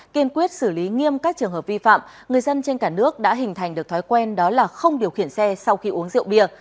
kiên quyết xử lý nghiêm các trường hợp vi phạm người dân trên cả nước đã hình thành được thói quen đó là không điều khiển xe sau khi uống rượu bia